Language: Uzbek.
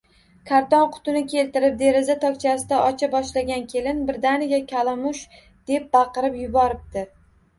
Karton qutini keltirib, deraza tokchasida ocha boshlagan kelin birdaniga “Kalamuuush!” deb baqirib yuboribdi